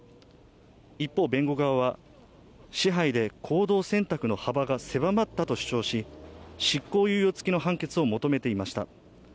一方、弁護側は支配で行動選択の幅が狭まったと主張し、執行猶予つきの判決を求めていました。